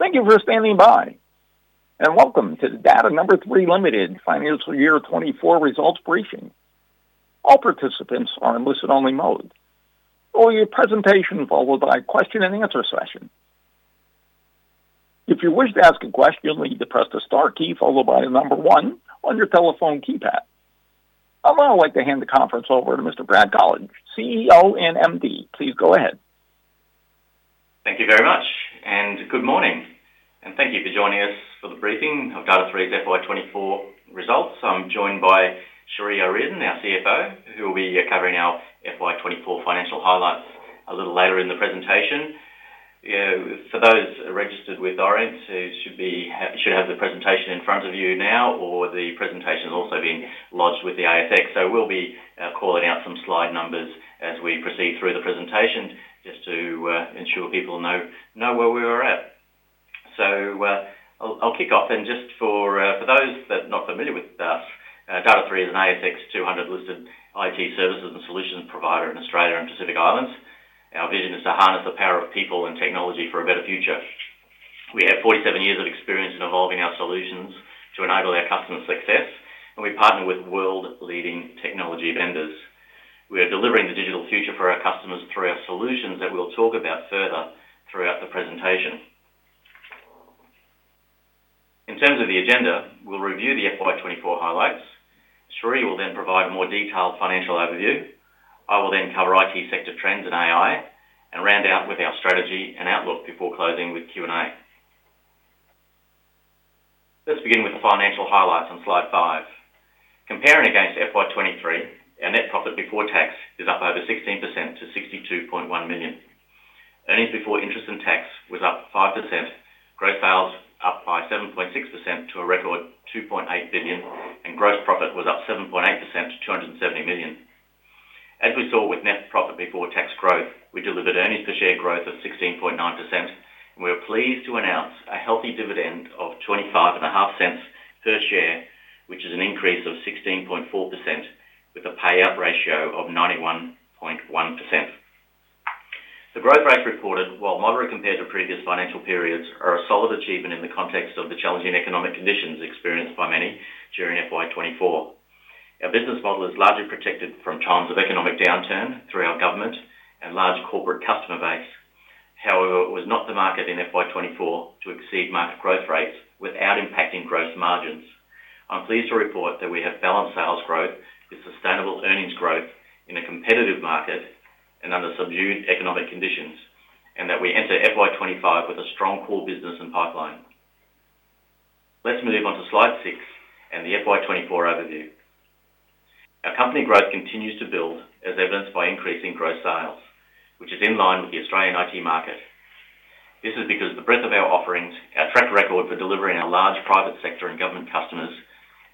Thank you for standing by, and welcome to the Data#3 Limited Financial Year 2024 results briefing. All participants are in listen-only mode. We'll hear a presentation followed by a question and answer session. If you wish to ask a question, you'll need to press the star key followed by the number one on your telephone keypad. I'd now like to hand the conference over to Mr. Brad Colledge, CEO and MD. Please go ahead. Thank you very much, and good morning, and thank you for joining us for the briefing of Data#3's FY 2024 results. I'm joined by Cherie O'Riordan, our CFO, who will be covering our FY 2024 financial highlights a little later in the presentation. For those registered with our IR, you should have the presentation in front of you now, or the presentation is also being lodged with the ASX. So we'll be calling out some slide numbers as we proceed through the presentation, just to ensure people know where we are at. So, I'll kick off then, just for those that are not familiar with us, Data#3 is an ASX two hundred listed IT services and solutions provider in Australia and Pacific Islands. Our vision is to harness the power of people and technology for a better future. We have 47 years of experience in evolving our solutions to enable our customers' success, and we partner with world-leading technology vendors. We are delivering the digital future for our customers through our solutions that we'll talk about further throughout the presentation. In terms of the agenda, we'll review the FY 2024 highlights. Cherie will then provide a more detailed financial overview. I will then cover IT sector trends and AI, and round out with our strategy and outlook before closing with Q&A. Let's begin with the financial highlights on slide 5. Comparing against FY 2023, our net profit before tax is up over 16% to 62.1 million. Earnings before interest and tax was up 5%, gross sales up by 7.6% to a record 2.8 billion, and gross profit was up 7.8% to 270 million. As we saw with net profit before tax growth, we delivered earnings per share growth of 16.9%. We are pleased to announce a healthy dividend of 0.255 per share, which is an increase of 16.4% with a payout ratio of 91.1%. The growth rates reported, while moderate compared to previous financial periods, are a solid achievement in the context of the challenging economic conditions experienced by many during FY 2024. Our business model is largely protected from times of economic downturn through our government and large corporate customer base. However, it was not the market in FY 2024 to exceed market growth rates without impacting gross margins. I'm pleased to report that we have balanced sales growth with sustainable earnings growth in a competitive market and under subdued economic conditions, and that we enter FY 2025 with a strong core business and pipeline. Let's move on to slide six and the FY 2024 overview. Our company growth continues to build, as evidenced by increasing gross sales, which is in line with the Australian IT market. This is because the breadth of our offerings, our track record for delivering our large private sector and government customers,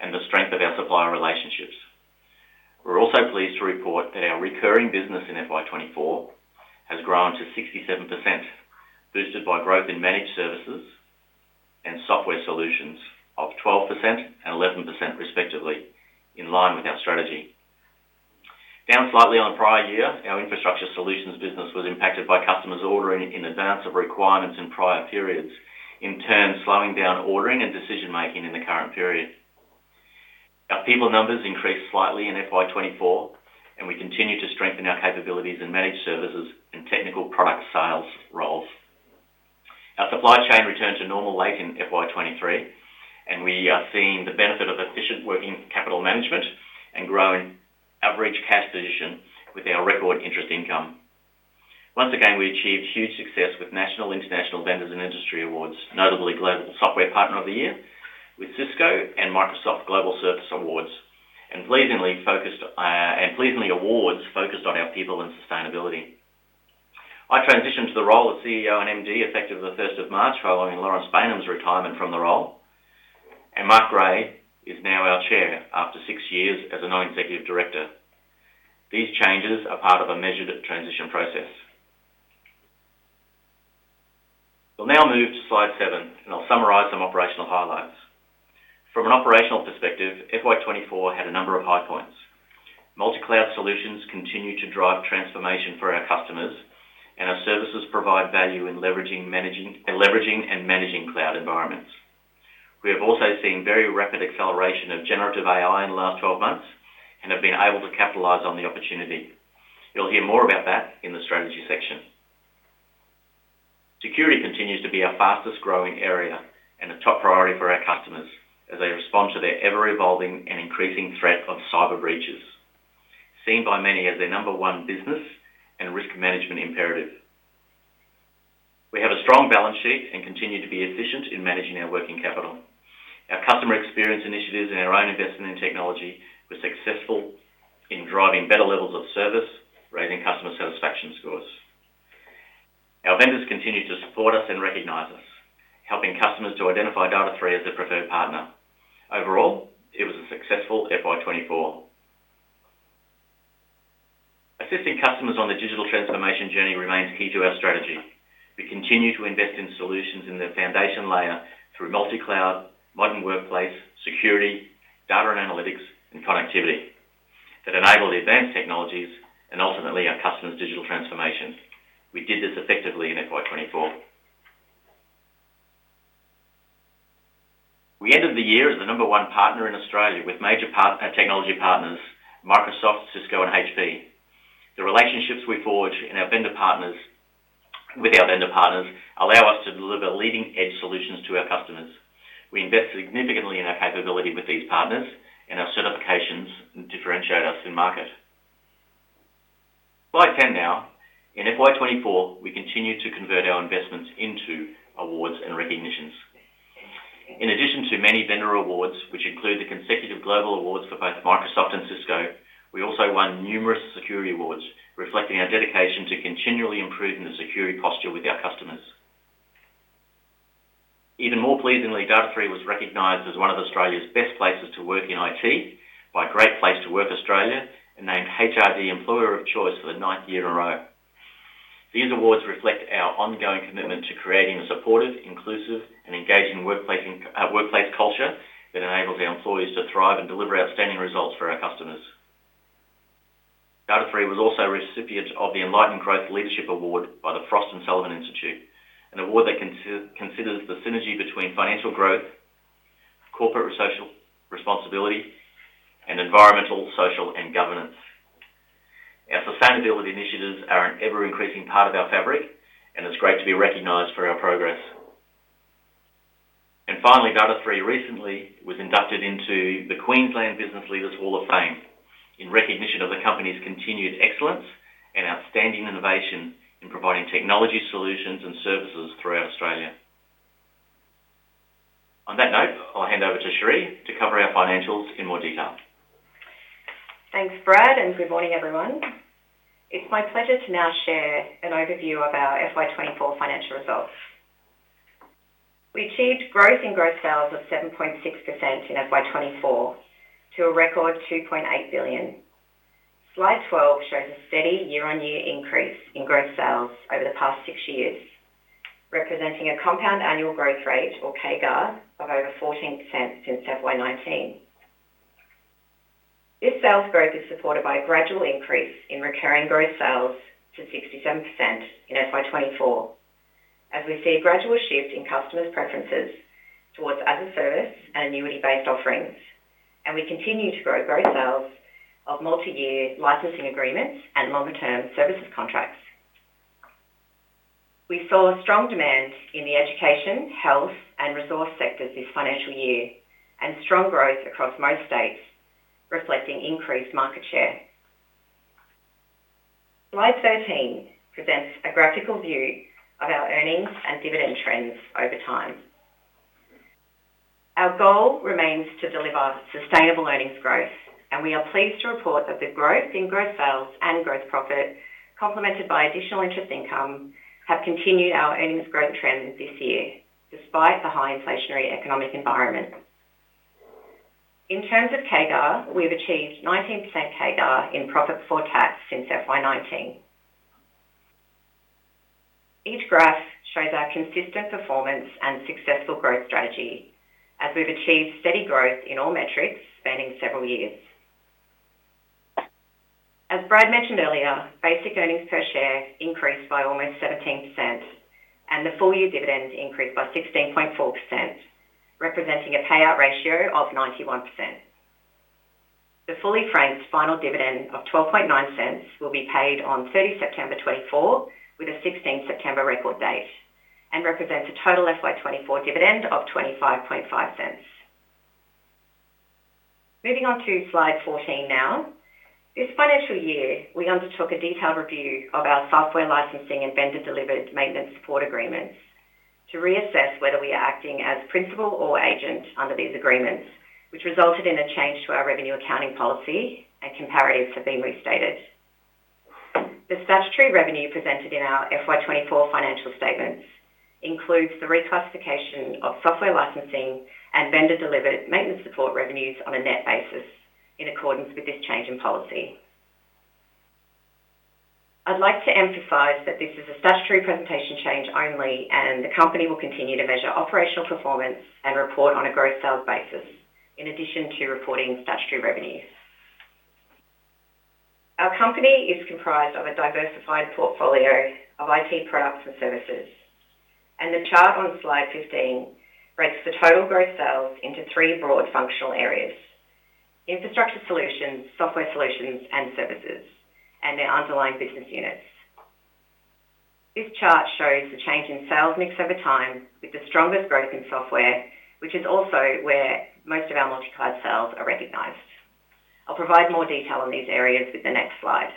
and the strength of our supplier relationships. We're also pleased to report that our recurring business in FY 2024 has grown to 67%, boosted by growth in managed services and software solutions of 12% and 11%, respectively, in line with our strategy. Down slightly on prior year, our infrastructure solutions business was impacted by customers ordering in advance of requirements in prior periods, in turn, slowing down ordering and decision-making in the current period. Our people numbers increased slightly in FY 2024, and we continue to strengthen our capabilities in managed services and technical product sales roles. Our supply chain returned to normal late in FY 2023, and we are seeing the benefit of efficient working capital management and growing average cash position with our record interest income. Once again, we achieved huge success with national, international vendors and industry awards, notably Global Software Partner of the Year with Cisco and Microsoft Global Surface Awards, and pleasingly, awards focused on our people and sustainability. I transitioned to the role of CEO and MD effective the first of March, following Laurence Baynham's retirement from the role, and Mark Esler is now our chair after six years as a non-executive director. These changes are part of a measured transition process. We'll now move to slide 7, and I'll summarize some operational highlights. From an operational perspective, FY 24 had a number of high points. Multi-cloud solutions continued to drive transformation for our customers, and our services provide value in leveraging and managing cloud environments. We have also seen very rapid acceleration of Generative AI in the last 12 months and have been able to capitalize on the opportunity. You'll hear more about that in the strategy section. Security continues to be our fastest-growing area and a top priority for our customers as they respond to the ever-evolving and increasing threat of cyber breaches, seen by many as their number one business and risk management imperative. We have a strong balance sheet and continue to be efficient in managing our working capital. Our customer experience initiatives and our own investment in technology were successful in driving better levels of service, raising customer satisfaction scores. Our vendors continued to support us and recognize us, helping customers to identify Data#3 as their preferred partner. Overall, it was a successful FY 2024. Assisting customers on their digital transformation journey remains key to our strategy. We continue to invest in solutions in their foundation layer through multi-cloud, Modern Workplace, security, data and analytics, and connectivity.... all the advanced technologies and ultimately our customers' digital transformation. We did this effectively in FY 2024. We ended the year as the number one partner in Australia with major part, technology partners Microsoft, Cisco and HP. The relationships we forge in our vendor partners with our vendor partners allow us to deliver leading edge solutions to our customers. We invest significantly in our capability with these partners, and our certifications differentiate us in market. Slide ten now. In FY 2024, we continued to convert our investments into awards and recognitions. In addition to many vendor awards, which include the consecutive global awards for both Microsoft and Cisco, we also won numerous security awards, reflecting our dedication to continually improving the security posture with our customers. Even more pleasingly, Data#3 was recognized as one of Australia's best places to work in IT by Great Place to Work Australia and named HRD Employer of Choice for the ninth year in a row. These awards reflect our ongoing commitment to creating a supportive, inclusive, and engaging workplace and workplace culture that enables our employees to thrive and deliver outstanding results for our customers. Data#3 was also a recipient of the Enlightened Growth Leadership Award by the Frost & Sullivan Institute, an award that considers the synergy between financial growth, corporate social responsibility, and environmental, social, and governance. Our sustainability initiatives are an ever-increasing part of our fabric, and it's great to be recognized for our progress. And finally, Data#3 recently was inducted into the Queensland Business Leaders Hall of Fame in recognition of the company's continued excellence and outstanding innovation in providing technology solutions and services throughout Australia. On that note, I'll hand over to Cherie to cover our financials in more detail. Thanks, Brad, and good morning, everyone. It's my pleasure to now share an overview of our FY 2024 financial results. We achieved growth in gross sales of 7.6% in FY 2024 to a record 2.8 billion. Slide 12 shows a steady year-on-year increase in gross sales over the past 6 years, representing a compound annual growth rate, or CAGR, of over 14% since FY 2019. This sales growth is supported by a gradual increase in recurring gross sales to 67% in FY 2024, as we see a gradual shift in customers' preferences towards as a service and annuity-based offerings. We continue to grow gross sales of multiyear licensing agreements and longer-term services contracts. We saw strong demand in the education, health, and resource sectors this financial year, and strong growth across most states, reflecting increased market share. Slide 13 presents a graphical view of our earnings and dividend trends over time. Our goal remains to deliver sustainable earnings growth, and we are pleased to report that the growth in gross sales and gross profit, complemented by additional interest income, have continued our earnings growth trend this year despite the high inflationary economic environment. In terms of CAGR, we've achieved 19% CAGR in profit before tax since FY 2019. Each graph shows our consistent performance and successful growth strategy as we've achieved steady growth in all metrics spanning several years. As Brad mentioned earlier, basic earnings per share increased by almost 17%, and the full year dividend increased by 16.4%, representing a payout ratio of 91%. The fully franked final dividend of 0.129 will be paid on 30th September 2024, with a 16th September record date and represents a total FY 2024 dividend of 0.255. Moving on to slide 14 now. This financial year, we undertook a detailed review of our software licensing and vendor-delivered maintenance support agreements to reassess whether we are acting as principal or agent under these agreements, which resulted in a change to our revenue accounting policy and comparatives have been restated. The statutory revenue presented in our FY 2024 financial statements includes the reclassification of software licensing and vendor-delivered maintenance support revenues on a net basis in accordance with this change in policy. I'd like to emphasize that this is a statutory presentation change only, and the company will continue to measure operational performance and report on a gross sales basis in addition to reporting statutory revenues. Our company is comprised of a diversified portfolio of IT products and services, and the chart on slide 15 breaks the total gross sales into three broad functional areas: infrastructure solutions, software solutions, and services, and their underlying business units. This chart shows the change in sales mix over time, with the strongest growth in software, which is also where most of our multi-cloud sales are recognized. I'll provide more detail on these areas with the next slide.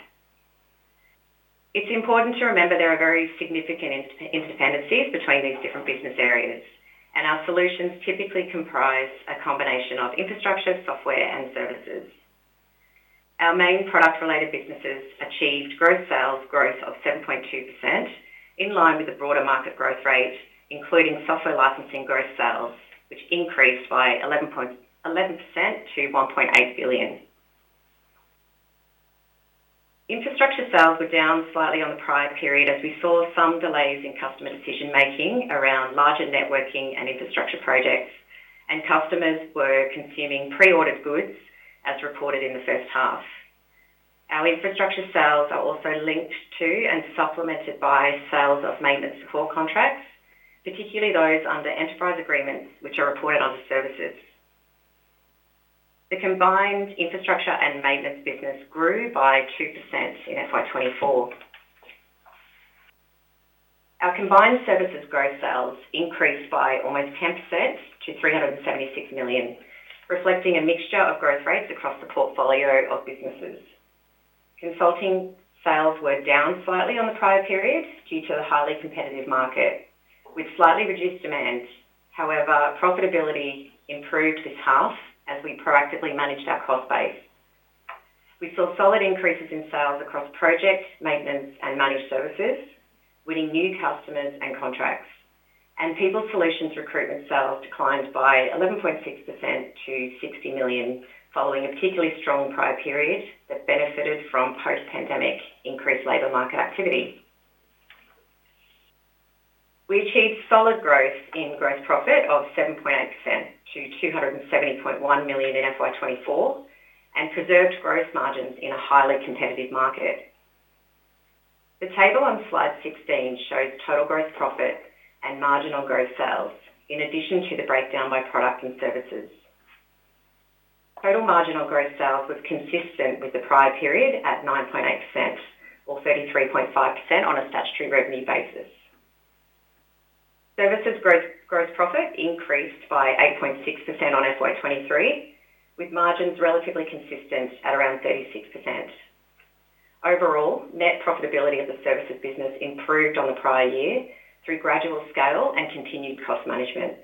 It's important to remember there are very significant interdependencies between these different business areas, and our solutions typically comprise a combination of infrastructure, software, and services. Our main product-related businesses achieved sales growth of 7.2%, in line with the broader market growth rate, including software licensing sales growth, which increased by 11% to 1.8 billion. Infrastructure sales were down slightly on the prior period, as we saw some delays in customer decision making around larger networking and infrastructure projects, and customers were consuming pre-ordered goods, as reported in the first half. Our infrastructure sales are also linked to and supplemented by sales of maintenance support contracts, particularly those under enterprise agreements, which are reported under services. The combined infrastructure and maintenance business grew by 2% in FY 2024. Our combined services sales growth increased by almost 10% to 376 million, reflecting a mixture of growth rates across the portfolio of businesses. Consulting sales were down slightly on the prior periods due to the highly competitive market, with slightly reduced demand. However, profitability improved this half as we proactively managed our cost base. We saw solid increases in sales across projects, maintenance and managed services, winning new customers and contracts. And People Solutions recruitment sales declined by 11.6% to 60 million, following a particularly strong prior period that benefited from post-pandemic increased labor market activity. We achieved solid growth in gross profit of 7.8% to 270.1 million in FY 2024, and preserved gross margins in a highly competitive market. The table on slide 16 shows total gross profit and margin on growth sales, in addition to the breakdown by product and services. Total margin on growth sales was consistent with the prior period at 9.8% or 33.5% on a statutory revenue basis. Services growth, gross profit increased by 8.6% on FY 2023, with margins relatively consistent at around 36%. Overall, net profitability of the services business improved on the prior year through gradual scale and continued cost management.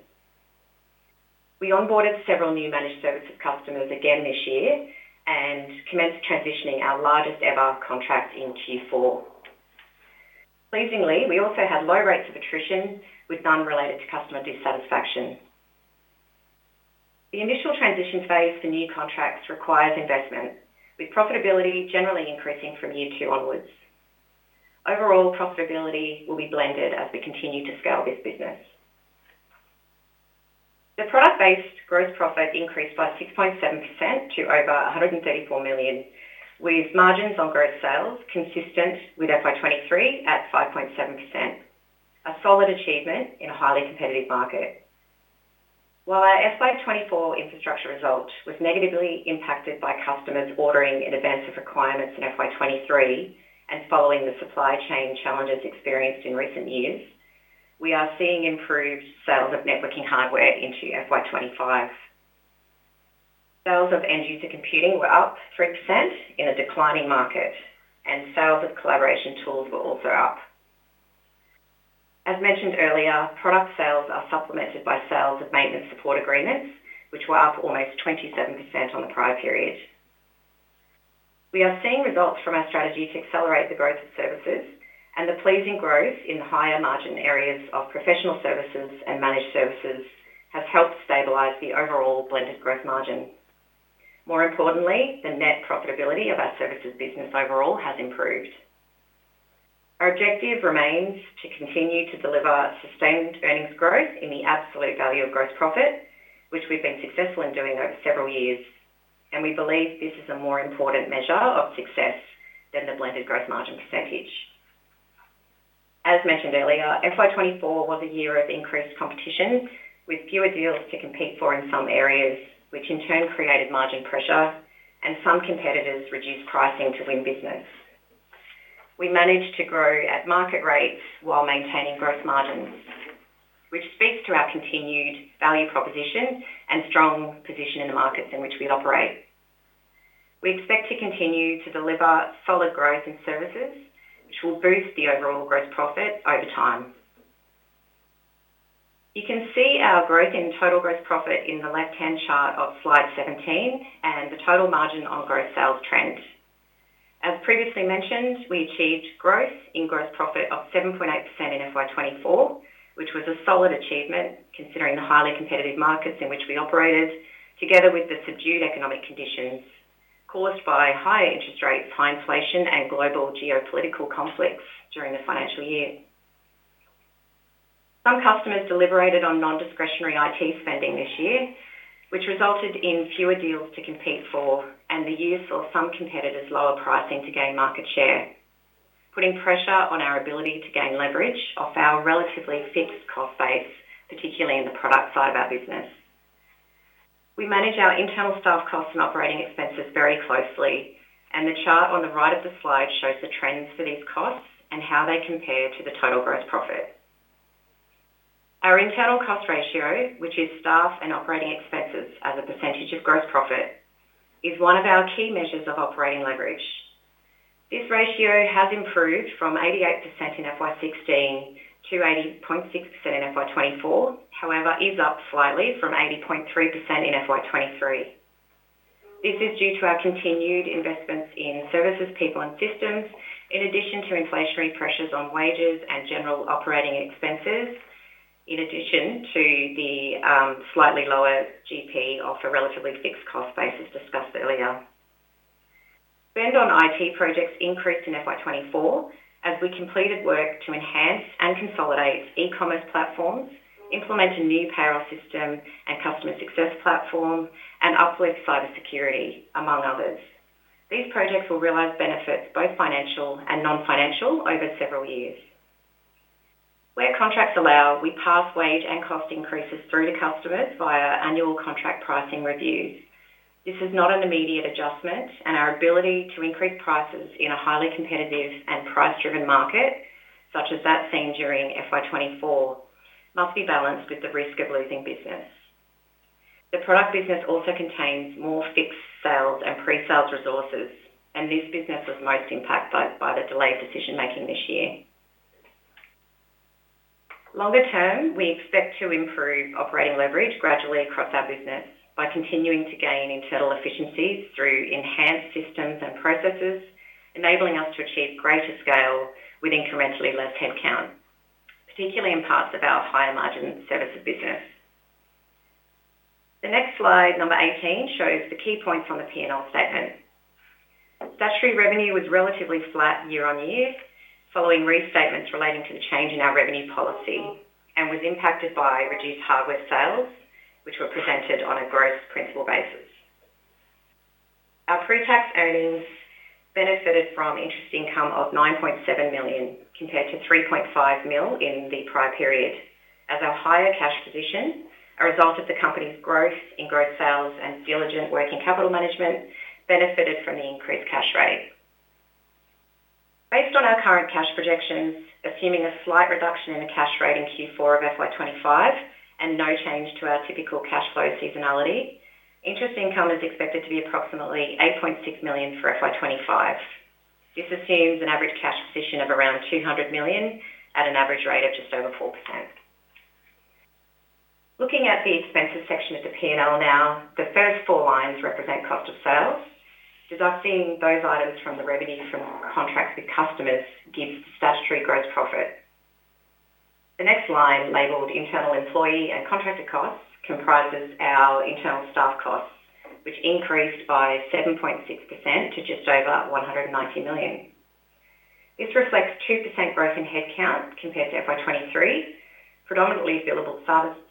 We onboarded several new managed services customers again this year and commenced transitioning our largest ever contract in Q4. Pleasingly, we also had low rates of attrition with none related to customer dissatisfaction. The initial transition phase for new contracts requires investment, with profitability generally increasing from year two onwards. Overall, profitability will be blended as we continue to scale this business. The product-based gross profit increased by 6.7% to over 134 million, with margins on gross sales consistent with FY 2023 at 5.7%. A solid achievement in a highly competitive market. While our FY 2024 infrastructure result was negatively impacted by customers ordering in advance of requirements in FY 2023, and following the supply chain challenges experienced in recent years, we are seeing improved sales of networking hardware into FY 2025. Sales of end user computing were up 3% in a declining market, and sales of collaboration tools were also up. As mentioned earlier, product sales are supplemented by sales of maintenance support agreements, which were up almost 27% on the prior period. We are seeing results from our strategy to accelerate the growth of services, and the pleasing growth in the higher margin areas of professional services and managed services has helped stabilize the overall blended gross margin. More importantly, the net profitability of our services business overall has improved. Our objective remains to continue to deliver sustained earnings growth in the absolute value of gross profit, which we've been successful in doing over several years, and we believe this is a more important measure of success than the blended gross margin percentage. As mentioned earlier, FY 2024 was a year of increased competition, with fewer deals to compete for in some areas, which in turn created margin pressure and some competitors reduced pricing to win business. We managed to grow at market rates while maintaining gross margins, which speaks to our continued value proposition and strong position in the markets in which we operate. We expect to continue to deliver solid growth in services, which will boost the overall gross profit over time. You can see our growth in total gross profit in the left-hand chart of slide 17, and the total margin on gross sales trend. As previously mentioned, we achieved growth in gross profit of 7.8% in FY 2024, which was a solid achievement considering the highly competitive markets in which we operated, together with the subdued economic conditions caused by higher interest rates, high inflation, and global geopolitical conflicts during the financial year. Some customers deliberated on non-discretionary IT spending this year, which resulted in fewer deals to compete for, and the year saw some competitors lower pricing to gain market share, putting pressure on our ability to gain leverage off our relatively fixed cost base, particularly in the product side of our business. We manage our internal staff costs and operating expenses very closely, and the chart on the right of the slide shows the trends for these costs and how they compare to the total gross profit. Our internal cost ratio, which is staff and operating expenses as a percentage of gross profit, is one of our key measures of operating leverage. This ratio has improved from 88% in FY 2016 to 80.6% in FY 2024. However, it is up slightly from 80.3% in FY 2023. This is due to our continued investments in services, people, and systems, in addition to inflationary pressures on wages and general operating expenses. In addition to the slightly lower GP of a relatively fixed cost base, as discussed earlier. Spend on IT projects increased in FY 2024 as we completed work to enhance and consolidate e-commerce platforms, implemented new payroll system and customer success platform, and uplifted cybersecurity, among others. These projects will realize benefits, both financial and non-financial, over several years. Where contracts allow, we pass wage and cost increases through to customers via annual contract pricing reviews. This is not an immediate adjustment, and our ability to increase prices in a highly competitive and price-driven market, such as that seen during FY 2024, must be balanced with the risk of losing business. The product business also contains more fixed sales and pre-sales resources, and this business was most impacted by the delayed decision making this year. Longer term, we expect to improve operating leverage gradually across our business by continuing to gain internal efficiencies through enhanced systems and processes, enabling us to achieve greater scale with incrementally less headcount, particularly in parts of our higher margin services business. The next slide, number eighteen, shows the key points on the P&L statement. Statutory revenue was relatively flat year-on-year, following restatements relating to the change in our revenue policy and was impacted by reduced hardware sales, which were presented on a gross principal basis. Our pre-tax earnings benefited from interest income of 9.7 million, compared to 3.5 mil in the prior period, as our higher cash position, a result of the company's growth in growth sales and diligent working capital management, benefited from the increased cash rate. Based on our current cash projections, assuming a slight reduction in the cash rate in Q4 of FY 2025 and no change to our typical cash flow seasonality, interest income is expected to be approximately 8.6 million for FY 2025. This assumes an average cash position of around 200 million at an average rate of just over 4%. Looking at the expenses section of the P&L now, the first four lines represent cost of sales. Deducting those items from the revenue from contracts with customers gives statutory gross profit. The next line, labeled internal employee and contractor costs, comprises our internal staff costs, which increased by 7.6% to just over 190 million. This reflects 2% growth in headcount compared to FY 2023, predominantly billable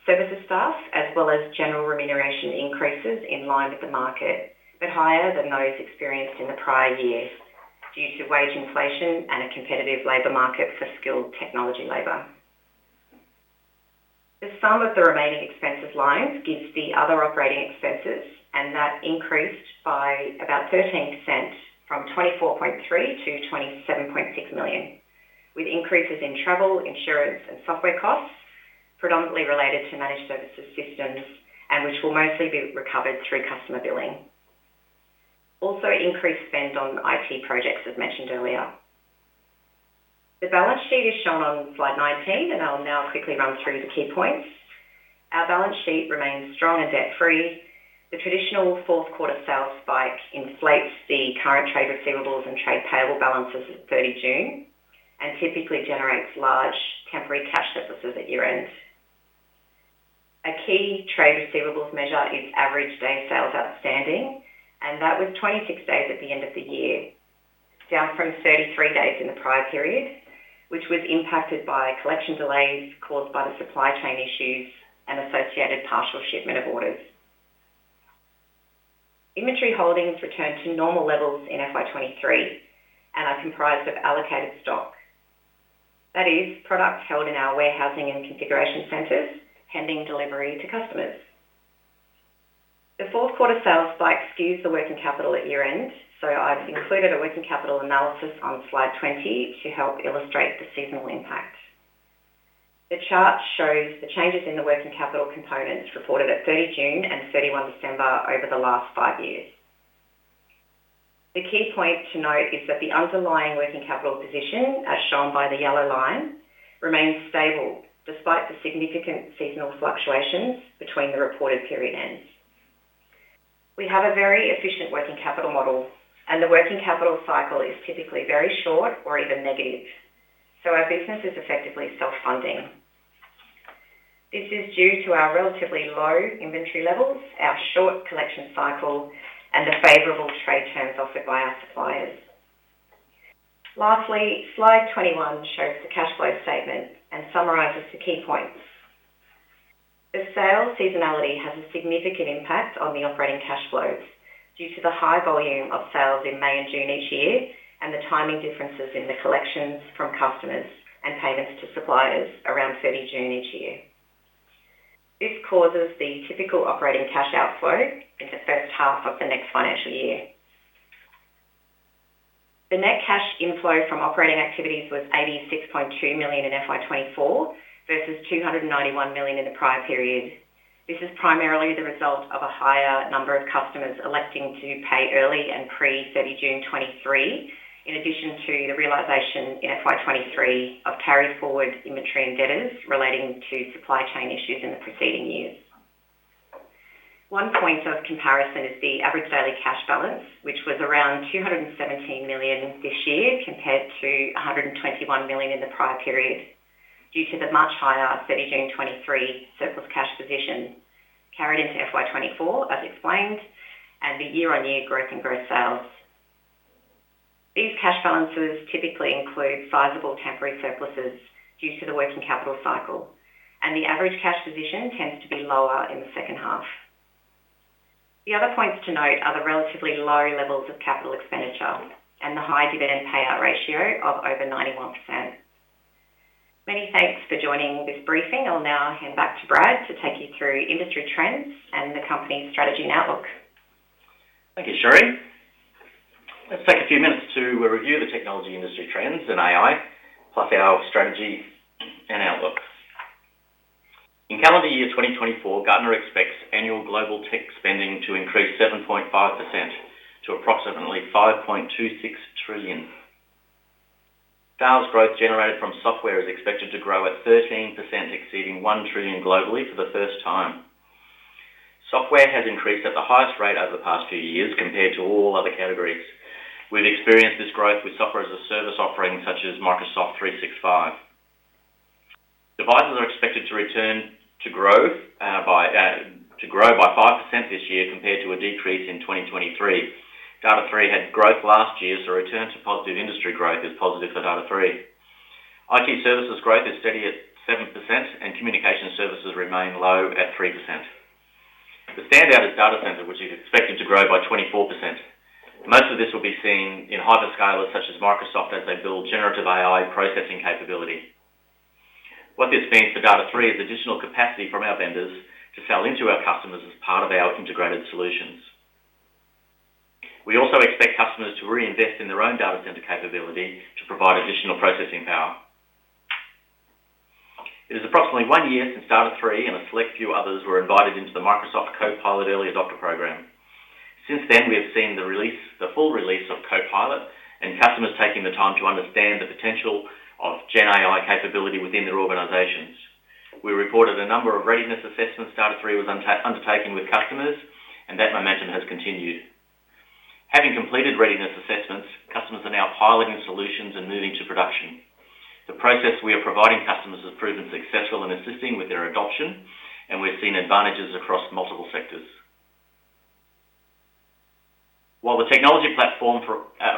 services staff, as well as general remuneration increases in line with the market, but higher than those experienced in the prior year due to wage inflation and a competitive labor market for skilled technology labor. The sum of the remaining expenses lines gives the other operating expenses, and that increased by about 13% from 24.3 million to 27.6 million, with increases in travel, insurance, and software costs predominantly related to managed services systems and which will mostly be recovered through customer billing. Also, increased spend on IT projects, as mentioned earlier. The balance sheet is shown on slide 19, and I'll now quickly run through the key points. Our balance sheet remains strong and debt-free. The traditional fourth quarter sales spike inflates the current trade receivables and trade payable balances at 30th June, and typically generates large temporary cash surpluses at year-end. A key trade receivables measure is average day sales outstanding, and that was 26 days at the end of the year, down from 33 days in the prior period, which was impacted by collection delays caused by the supply chain issues and associated partial shipment of orders. Inventory holdings returned to normal levels in FY 2023 and are comprised of allocated stock. That is, products held in our warehousing and configuration centers, pending delivery to customers. The fourth quarter sales spike skews the working capital at year-end, so I've included a working capital analysis on slide 20 to help illustrate the seasonal impact. The chart shows the changes in the working capital components reported at 30th June and 31st December over the last five years. The key point to note is that the underlying working capital position, as shown by the yellow line, remains stable despite the significant seasonal fluctuations between the reported period ends. We have a very efficient working capital model, and the working capital cycle is typically very short or even negative, so our business is effectively self-funding. This is due to our relatively low inventory levels, our short collection cycle, and the favorable trade terms offered by our suppliers. Lastly, slide 21 shows the cash flow statement and summarizes the key points. The sales seasonality has a significant impact on the operating cash flows due to the high volume of sales in May and June each year, and the timing differences in the collections from customers and payments to suppliers around 30th June each year. This causes the typical operating cash outflow in the first half of the next financial year. The net cash inflow from operating activities was 86.2 million in FY 2024 versus 291 million in the prior period. This is primarily the result of a higher number of customers electing to pay early and pre-30th June 2023, in addition to the realization in FY 2023 of carry forward inventory and debtors relating to supply chain issues in the preceding years.... One point of comparison is the average daily cash balance, which was around 217 million this year, compared to 121 million in the prior period, due to the much higher 30 June 2023 surplus cash position carried into FY 2024, as explained, and the year-on-year growth in gross sales. These cash balances typically include sizable temporary surpluses due to the working capital cycle, and the average cash position tends to be lower in the second half. The other points to note are the relatively low levels of capital expenditure and the high dividend payout ratio of over 91%. Many thanks for joining this briefing. I'll now hand back to Brad to take you through industry trends and the company's strategy and outlook. Thank you, Cherie. Let's take a few minutes to review the technology industry trends in AI, plus our strategy and outlook. In calendar year 2024, Gartner expects annual global tech spending to increase 7.5% to approximately $5.26 trillion. Sales growth generated from software is expected to grow at 13%, exceeding $1 trillion globally for the first time. Software has increased at the highest rate over the past few years compared to all other categories. We've experienced this growth with Software as a Service offerings such as Microsoft 365. Devices are expected to return to growth, to grow by 5% this year, compared to a decrease in 2023. Data#3 had growth last year, so return to positive industry growth is positive for Data#3. IT services growth is steady at 7%, and communication services remain low at 3%. The standout is data center, which is expected to grow by 24%. Most of this will be seen in hyperscalers such as Microsoft as they build generative AI processing capability. What this means for Data#3 is additional capacity from our vendors to sell into our customers as part of our integrated solutions. We also expect customers to reinvest in their own data center capability to provide additional processing power. It is approximately one year since Data#3 and a select few others were invited into the Microsoft Copilot Early Adopter program. Since then, we have seen the full release of Copilot and customers taking the time to understand the potential of Gen AI capability within their organizations. We reported a number of readiness assessments Data#3 was undertaking with customers, and that momentum has continued. Having completed readiness assessments, customers are now piloting solutions and moving to production. The process we are providing customers has proven successful in assisting with their adoption, and we've seen advantages across multiple sectors. While the technology platform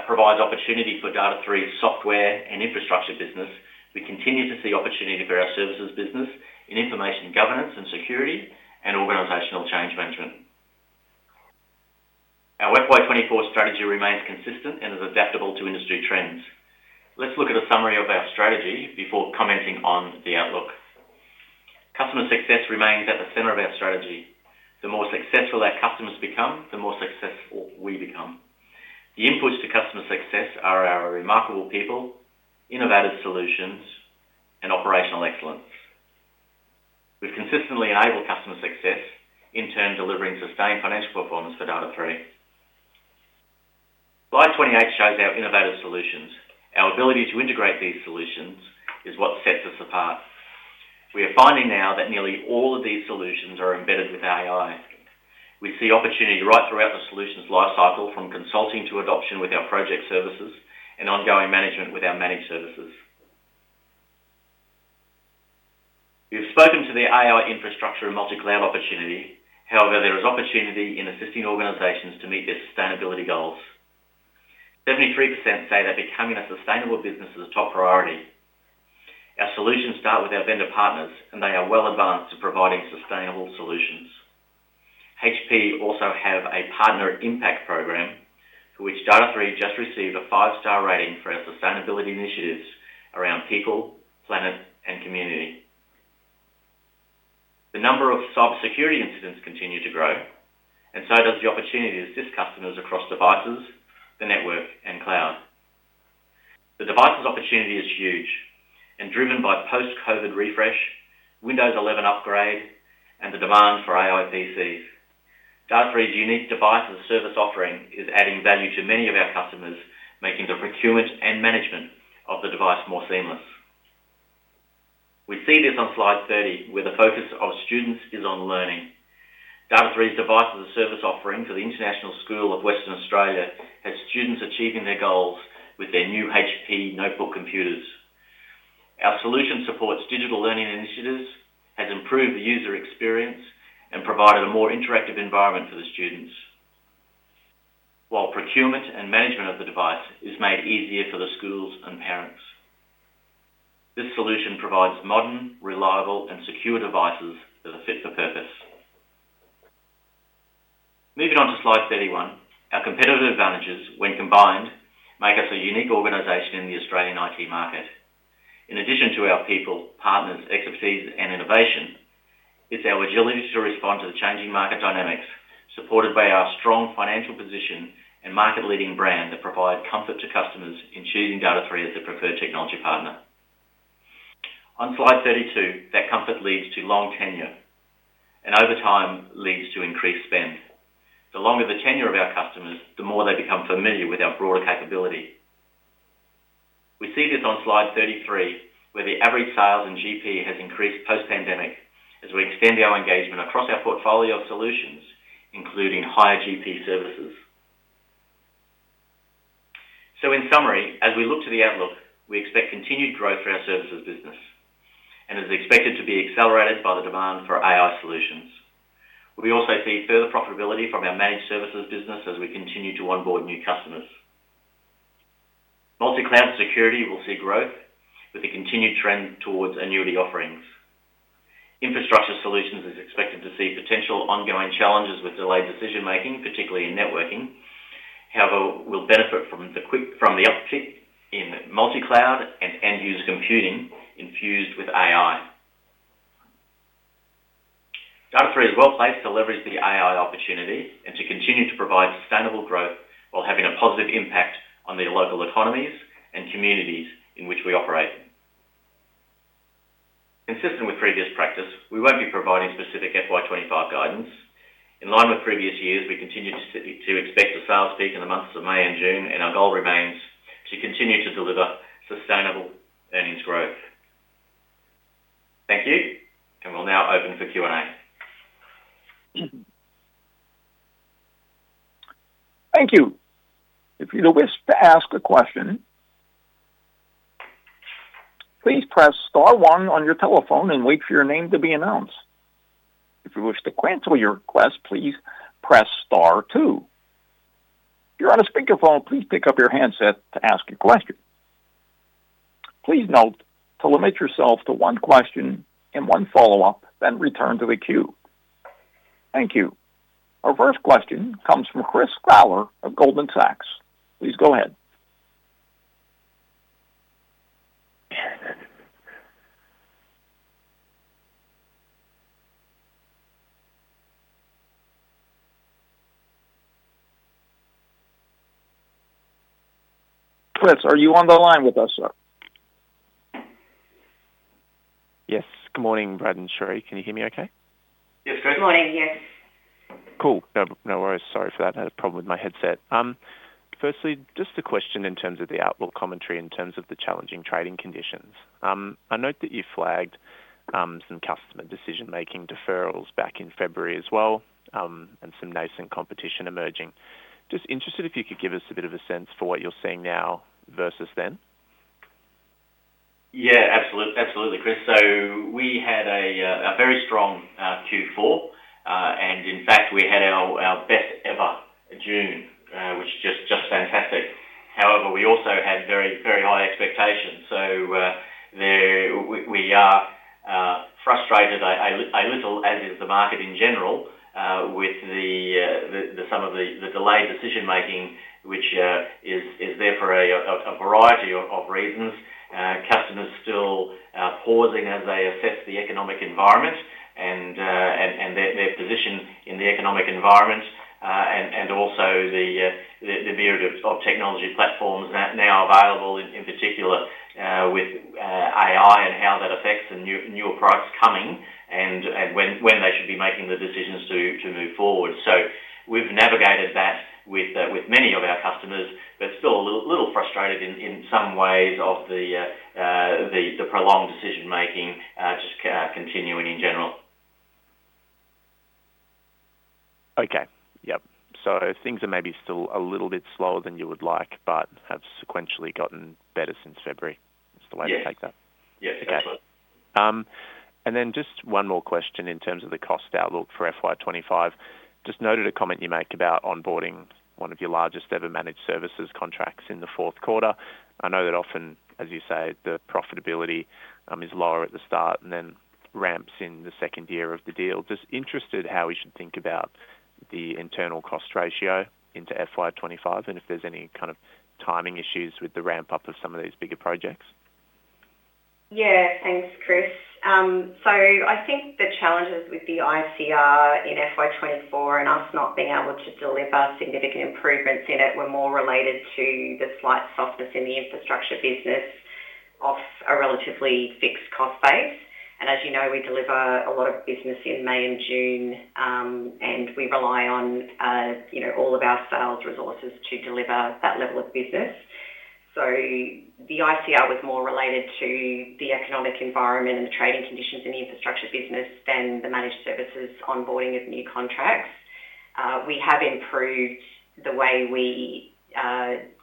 provides opportunity for Data#3's software and infrastructure business, we continue to see opportunity for our services business in information governance and security and organizational change management. Our FY 2024 strategy remains consistent and is adaptable to industry trends. Let's look at a summary of our strategy before commenting on the outlook. Customer success remains at the center of our strategy. The more successful our customers become, the more successful we become. The inputs to customer success are our remarkable people, innovative solutions, and operational excellence. We've consistently enabled customer success, in turn, delivering sustained financial performance for Data#3. Slide 28 shows our innovative solutions. Our ability to integrate these solutions is what sets us apart. We are finding now that nearly all of these solutions are embedded with AI. We see opportunity right throughout the solutions lifecycle, from consulting to adoption with our project services and ongoing management with our managed services. We've spoken to the AI infrastructure and multi-cloud opportunity. However, there is opportunity in assisting organizations to meet their sustainability goals. 73% say that becoming a sustainable business is a top priority. Our solutions start with our vendor partners, and they are well advanced to providing sustainable solutions. HP also have a Partner Impact program, for which Data#3 just received a five-star rating for our sustainability initiatives around people, planet, and community. The number of cybersecurity incidents continue to grow, and so does the opportunity to assist customers across devices, the network, and cloud. The devices opportunity is huge and driven by post-COVID refresh, Windows 11 upgrade, and the demand for AI PCs. Data#3's unique device and service offering is adding value to many of our customers, making the procurement and management of the device more seamless. We see this on slide 30, where the focus of students is on learning. Data#3's Device as a Service offering for the International School of Western Australia has students achieving their goals with their new HP notebook computers. Our solution supports digital learning initiatives, has improved the user experience, and provided a more interactive environment for the students, while procurement and management of the device is made easier for the schools and parents. This solution provides modern, reliable, and secure devices that are fit for purpose. Moving on to slide 31. Our competitive advantages, when combined, make us a unique organization in the Australian IT market. In addition to our people, partners, expertise, and innovation, it's our agility to respond to the changing market dynamics, supported by our strong financial position and market-leading brand, that provide comfort to customers in choosing Data#3 as their preferred technology partner. On slide 32, that comfort leads to long tenure, and over time leads to increased spend. The longer the tenure of our customers, the more they become familiar with our broader capability.... We see this on slide 33, where the average sales and GP has increased post-pandemic as we extend our engagement across our portfolio of solutions, including higher GP services. So in summary, as we look to the outlook, we expect continued growth for our services business and is expected to be accelerated by the demand for AI solutions. We also see further profitability from our managed services business as we continue to onboard new customers. Multi-cloud security will see growth with a continued trend towards annuity offerings. Infrastructure solutions is expected to see potential ongoing challenges with delayed decision making, particularly in networking. However, we'll benefit from the uptick in multi-cloud and end-user computing infused with AI. Data#3 is well-placed to leverage the AI opportunity and to continue to provide sustainable growth while having a positive impact on the local economies and communities in which we operate. Consistent with previous practice, we won't be providing specific FY 2025 guidance. In line with previous years, we continue to expect a sales peak in the months of May and June, and our goal remains to continue to deliver sustainable earnings growth. Thank you, and we'll now open for Q&A. Thank you. If you wish to ask a question, please press star one on your telephone and wait for your name to be announced. If you wish to cancel your request, please press star two. If you're on a speakerphone, please pick up your handset to ask a question. Please note to limit yourself to one question and one follow-up, then return to the queue. Thank you. Our first question comes from Chris Gawler of Goldman Sachs. Please go ahead. Chris, are you on the line with us, sir? Yes. Good morning, Brad and Cherie. Can you hear me okay? Yes, Chris. Good morning. Yes. Cool. No, no worries. Sorry for that. I had a problem with my headset. Firstly, just a question in terms of the outlook commentary, in terms of the challenging trading conditions. I note that you flagged some customer decision-making deferrals back in February as well, and some nascent competition emerging. Just interested, if you could give us a bit of a sense for what you're seeing now versus then? Yeah, absolutely, Chris. So we had a very strong Q4, and in fact, we had our best ever June, which is just fantastic. However, we also had very high expectations, so we are frustrated a little, as is the market in general, with some of the delayed decision making, which is there for a variety of reasons. Customers still pausing as they assess the economic environment and their position in the economic environment, and also the myriad of technology platforms that now are available, in particular, with AI and how that affects the new, newer products coming and when they should be making the decisions to move forward. So we've navigated that with many of our customers, but still a little, little frustrated in some ways of the prolonged decision making just continuing in general. Okay. Yep. So things are maybe still a little bit slower than you would like, but have sequentially gotten better since February. Yes. Is the way to take that? Yes, absolutely. Okay, and then just one more question in terms of the cost outlook for FY 2025. Just noted a comment you make about onboarding one of your largest-ever managed services contracts in the fourth quarter. I know that often, as you say, the profitability is lower at the start and then ramps in the second year of the deal. Just interested how we should think about the internal cost ratio into FY 2025, and if there's any kind of timing issues with the ramp-up of some of these bigger projects. Yeah. Thanks, Chris. So I think the challenges with the ICR in FY 2024 and us not being able to deliver significant improvements in it were more related to the slight softness in the infrastructure business off a relatively fixed cost base. And as you know, we deliver a lot of business in May and June, and we rely on, you know, all of our sales resources to deliver that level of business. So the ICR was more related to the economic environment and the trading conditions in the infrastructure business than the managed services onboarding of new contracts. We have improved the way we,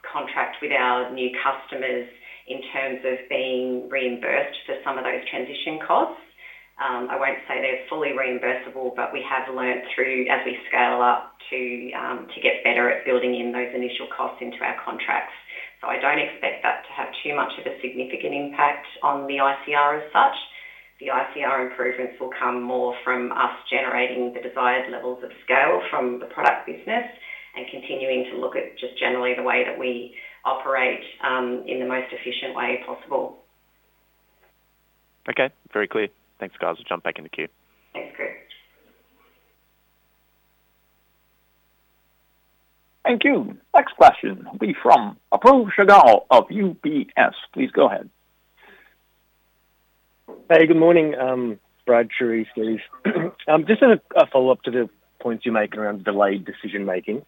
contract with our new customers in terms of being reimbursed for some of those transition costs. I won't say they're fully reimbursable, but we have learned, as we scale up, to get better at building in those initial costs into our contracts. So I don't expect that to have too much of a significant impact on the ICR as such. The ICR improvements will come more from us generating the desired levels of scale from the product business and continuing to look at just generally the way that we operate, in the most efficient way possible. Okay, very clear. Thanks, guys. I'll jump back in the queue. Thanks, Chris. Thank you. Next question will be from Apoorv Sehgal of UBS. Please go ahead. Hey, good morning, Brad, Cherie, Steve. Just as a follow-up to the points you're making around delayed decision-making,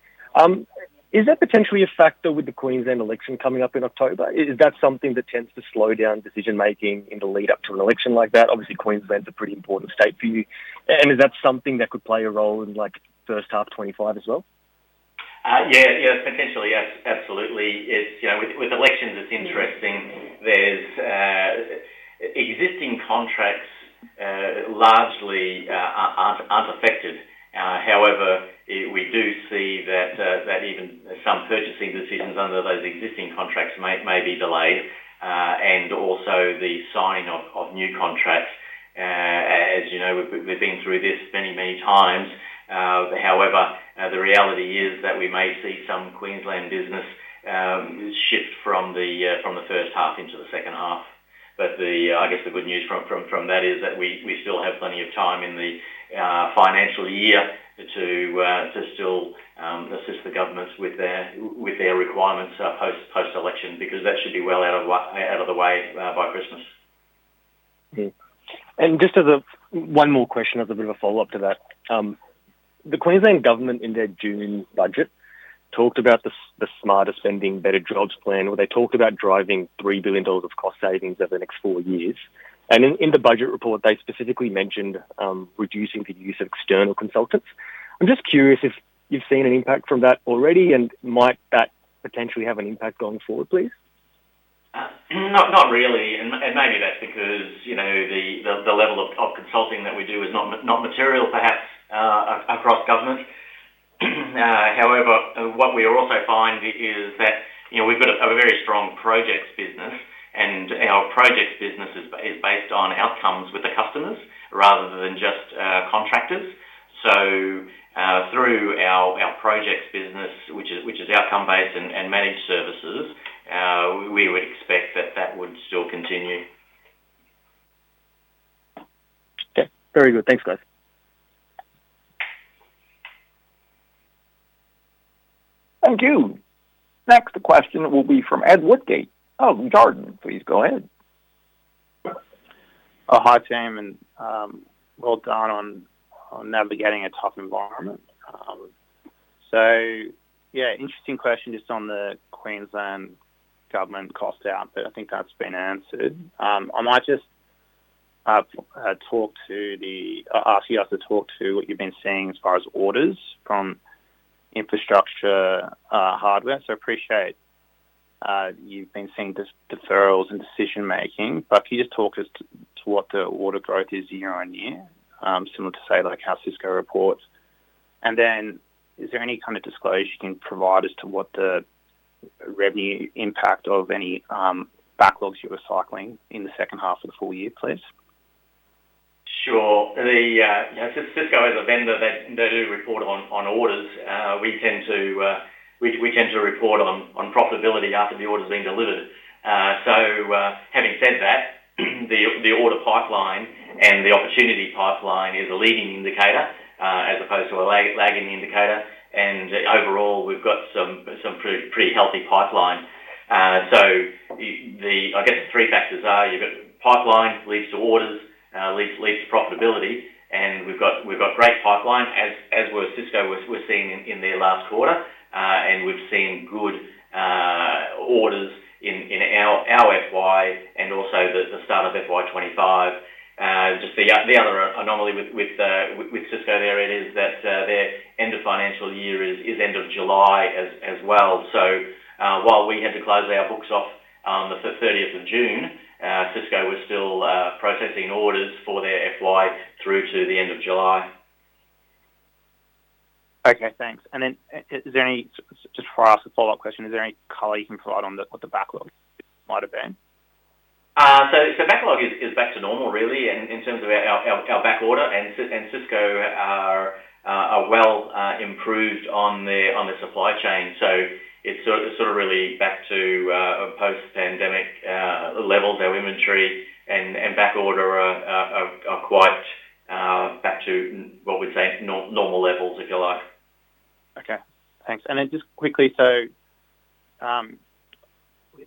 is that potentially a factor with the Queensland election coming up in October? Is that something that tends to slow down decision-making in the lead up to an election like that? Obviously, Queensland is a pretty important state for you. And is that something that could play a role in, like, first half 2025 as well? Yeah, potentially, absolutely. It's, you know, with elections, it's interesting. There's existing contracts largely aren't affected. However, we do see that even some purchasing decisions under those existing contracts might be delayed, and also the signing of new contracts. As you know, we've been through this many times. However, the reality is that we may see some Queensland business shift from the first half into the second half. But I guess the good news from that is that we still have plenty of time in the financial year to still assist the governments with their requirements post-election, because that should be well out of the way by Christmas. Mm-hmm. And just as one more question as a bit of a follow-up to that. The Queensland Government, in their June budget, talked about the Smarter Spending, Better Jobs plan, where they talked about driving 3 billion dollars of cost savings over the next four years. And in the budget report, they specifically mentioned reducing the use of external consultants. I'm just curious if you've seen an impact from that already, and might that potentially have an impact going forward, please? Not really, and maybe that's because, you know, the level of consulting that we do is not material, perhaps, across government. However, what we are also find is that, you know, we've got a very strong projects business, and our projects business is based on outcomes with the customers rather than just contractors. So, through our projects business, which is outcome-based and managed services, we would expect that that would still continue. Okay. Very good. Thanks, guys. Thank you. Next question will be from Ed Woodgate of Jarden. Please go ahead. Hi, team, and well done on navigating a tough environment. So yeah, interesting question just on the Queensland Government cost out, but I think that's been answered. I might just ask you guys to talk to what you've been seeing as far as orders from infrastructure hardware. So appreciate you've been seeing deferrals in decision making, but can you just talk as to what the order growth is year on year, similar to, say, like, how Cisco reports? And then is there any kind of disclosure you can provide as to what the revenue impact of any backlogs you're recycling in the second half of the full year, please? Sure. The, you know, Cisco is a vendor that they do report on, on orders. We tend to report on profitability after the order's been delivered. So, having said that, the order pipeline and the opportunity pipeline is a leading indicator, as opposed to a lagging indicator. And overall, we've got some pretty healthy pipeline. So the three factors are, you've got pipeline leads to orders, leads to profitability, and we've got great pipeline, as with Cisco, we're seeing in their last quarter. And we've seen good orders in our FY and also the start of FY 2025. Just the other anomaly with Cisco there it is that their end of financial year is end of July as well. So, while we had to close our books off on the 30th of June, Cisco was still processing orders for their FY through to the end of July. Okay, thanks. And then, is there any, just to ask a follow-up question, is there any color you can provide on the, what the backlog might have been? So backlog is back to normal, really, and in terms of our back order, and Cisco are well improved on the supply chain. So it's sort of really back to a post-pandemic level. Their inventory and back order are quite back to what we'd say, normal levels, if you like. Okay, thanks. And then just quickly, so,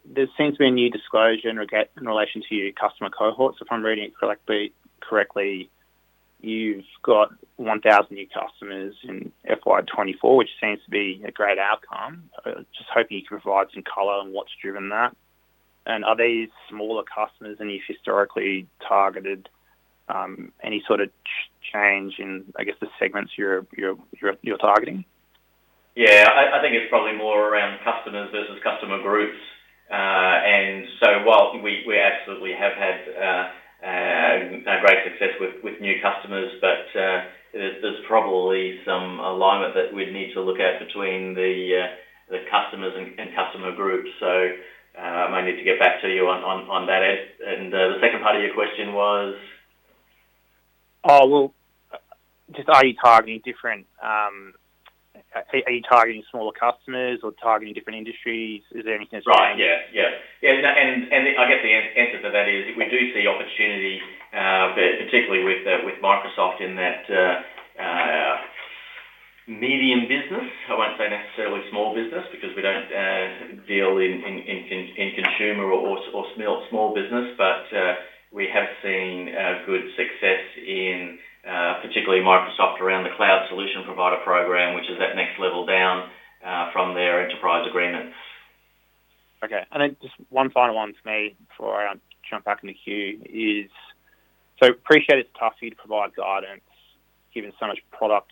there seems to be a new disclosure in relation to your customer cohorts. If I'm reading it correctly, you've got 1,000 new customers in FY 2024, which seems to be a great outcome. Just hoping you can provide some color on what's driven that. And are these smaller customers than you've historically targeted, any sort of change in, I guess, the segments you're targeting? Yeah, I think it's probably more around customers versus customer groups. And so while we absolutely have had great success with new customers, but there's probably some alignment that we'd need to look at between the customers and customer groups. So I may need to get back to you on that, Ed. And the second part of your question was? Oh, well, are you targeting smaller customers or targeting different industries? Is there anything that's- Right. Yeah, yeah. Yeah, and I guess the answer to that is, we do see opportunity, but particularly with Microsoft in that medium business. I won't say necessarily small business, because we don't deal in consumer or small business. But we have seen good success in particularly Microsoft around the Cloud Solution Provider program, which is that next level down from their enterprise agreements. Okay. And then just one final one for me before I jump back in the queue is, so appreciate it's tough for you to provide guidance, given so much product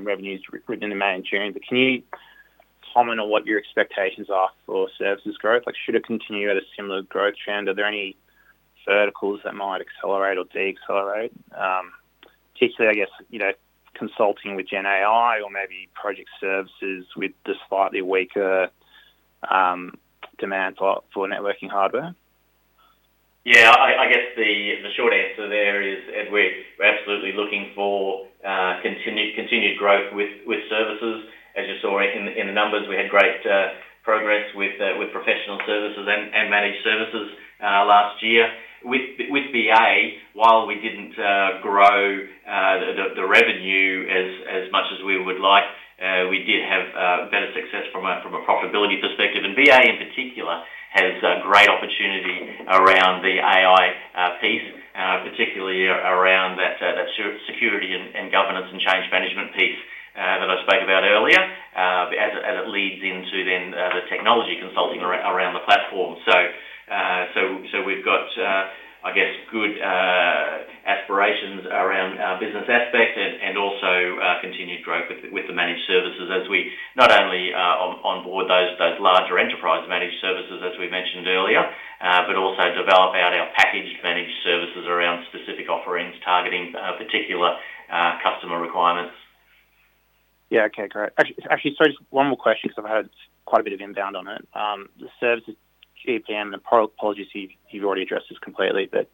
revenues written in May and June. But can you comment on what your expectations are for services growth? Like, should it continue at a similar growth trend? Are there any verticals that might accelerate or decelerate? Particularly, I guess, you know, consulting with Gen AI or maybe project services with the slightly weaker demand for networking hardware. Yeah, I guess the short answer there is, Ed, we're absolutely looking for continued growth with services. As you saw in the numbers, we had great progress with professional services and managed services last year. With BA, while we didn't grow the revenue as much as we would like, we did have better success from a profitability perspective. And BA, in particular, has great opportunity around the AI piece, particularly around that security and governance and change management piece, that I spoke about earlier, as it leads into then the technology consulting around the platform. We've got, I guess, good aspirations around our Business Aspect and also continued growth with the managed services as we not only onboard those larger enterprise managed services, as we mentioned earlier, but also develop out our packaged managed services around specific offerings, targeting particular customer requirements. Yeah. Okay, great. Actually, sorry, just one more question, because I've had quite a bit of inbound on it. The services GPM, and apologies if you've already addressed this completely, but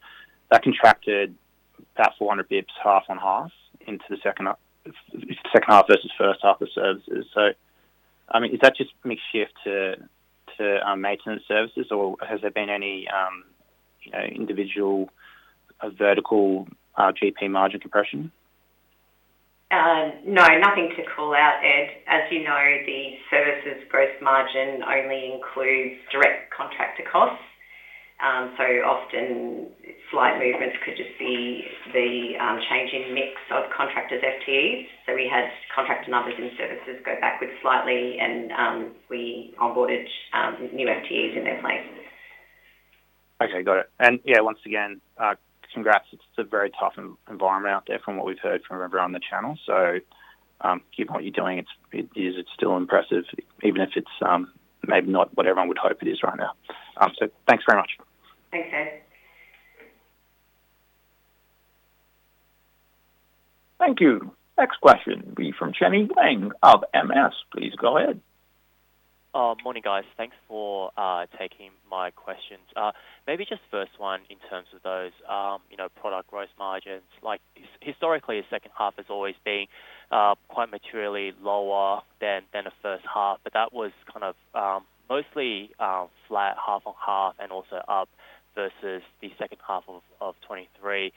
that contracted about 400 basis points, half on half into the second half versus first half of services. So, I mean, is that just mix shift to maintenance services, or has there been any, you know, individual vertical GP margin compression? No, nothing to call out, Ed. As you know, the services gross margin only includes direct contractor costs. So often slight movements could just be the changing mix of contractors FTEs. So we had contractor numbers in services go backwards slightly, and we onboarded new FTEs in their place. Okay, got it. And yeah, once again, congrats. It's a very tough environment out there from what we've heard from everyone on the channel. So, keep what you're doing. It is still impressive, even if it's maybe not what everyone would hope it is right now. So thanks very much. Thanks, Ed. Thank you. Next question will be from Chenny Wang of MS. Please, go ahead. Morning, guys. Thanks for taking my questions. Maybe just first one in terms of those, you know, product gross margins. Like, historically, the second half has always been quite materially lower than the first half, but that was kind of mostly flat, half on half, and also up versus the second half of 2023.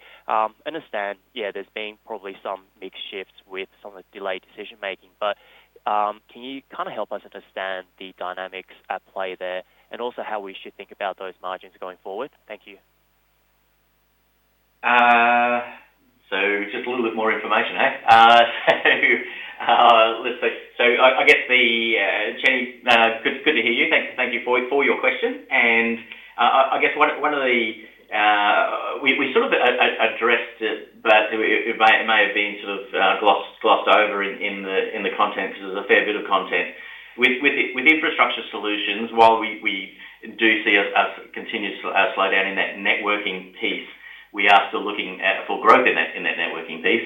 Understand, yeah, there's been probably some mix shifts with some of the delayed decision making, but can you kind of help us understand the dynamics at play there, and also how we should think about those margins going forward? Thank you. Just a little bit more information. Let's see. I guess Jenny, good to hear you. Thank you for your question. I guess one of the... We sort of addressed it, but it may have been sort of glossed over in the content because there's a fair bit of content. With the infrastructure solutions, while we do see a continued slowdown in that networking piece, we are still looking at for growth in that networking piece,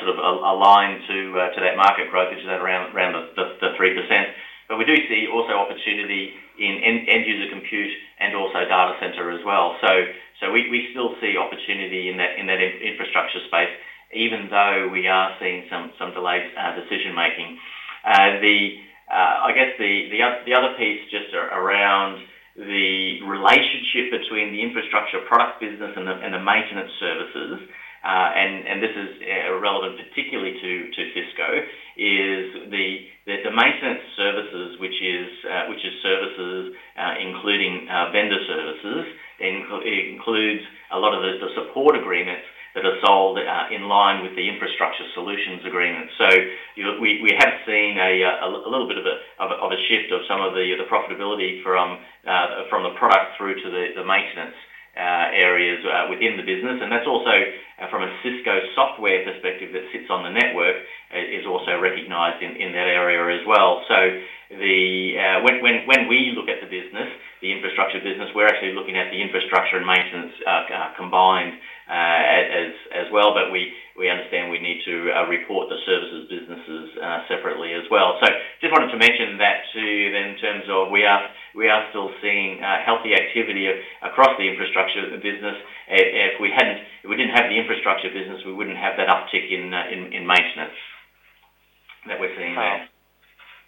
sort of aligned to that market growth, which is at around the 3%. But we do see also opportunity in end-user compute and also data center as well. So we still see opportunity in that infrastructure space, even though we are seeing some delayed decision making. I guess the other piece just around the relationship between the infrastructure product business and the maintenance services, and this is relevant particularly to Cisco, is the maintenance services, which is services including vendor services. It includes a lot of the support agreements that are sold in line with the infrastructure solutions agreements. So you know, we have seen a little bit of a shift of some of the profitability from the product through to the maintenance areas within the business. And that's also from a Cisco software perspective, that sits on the network is also recognized in that area as well. So when we look at the business, the infrastructure business, we're actually looking at the infrastructure and maintenance combined as well, but we understand we need to report the services businesses separately as well. So just wanted to mention that to you then, in terms of we are still seeing healthy activity across the infrastructure of the business. If we hadn't, if we didn't have the infrastructure business, we wouldn't have that uptick in maintenance that we're seeing now....